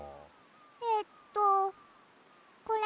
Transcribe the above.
えっとこれ？